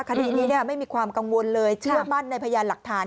คดีนี้ไม่มีความกังวลเลยเชื่อมั่นในพยานหลักฐาน